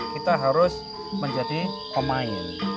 kita harus menjadi pemain